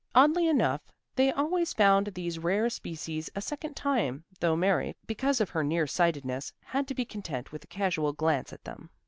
Oddly enough they always found these rare species a second time, though Mary, because of her near sightedness, had to be content with a casual glance at them.